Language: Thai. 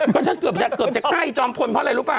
ก็ฉันเกือบจะไข้จอมพลเพราะอะไรรู้ป่